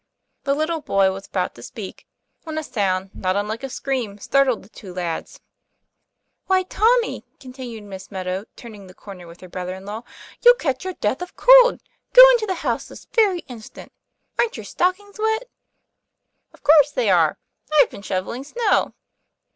The little boy was about to speak, when a sound not unlike a scream startled the two lads. TOM PLAYFAIR. i?5 "Why, Tommy," continued Miss Meadow, turning the corner with her brother in law, 'you'll catch your death of cold. Go into the house this very instant. Aren't your stockings wet?" "Of course they are; I've been shovelling snow.